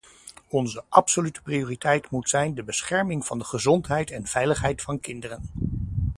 Onze absolute prioriteit moet zijn de bescherming van de gezondheid en veiligheid van kinderen.